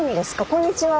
こんにちは。